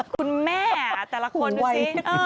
คุณแม่แต่ละคนดูสิ